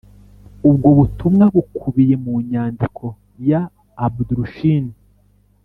Ubwo butumwa bukubiye mu nyandiko za Abdrushin